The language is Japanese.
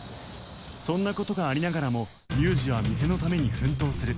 そんな事がありながらも龍二は店のために奮闘する